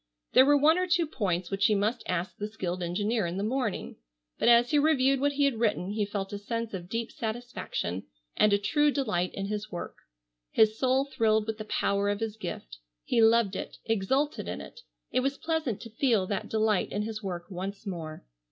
There were one or two points which he must ask the skilled engineer in the morning, but as he reviewed what he had written he felt a sense of deep satisfaction, and a true delight in his work. His soul thrilled with the power of his gift. He loved it, exulted in it. It was pleasant to feel that delight in his work once more.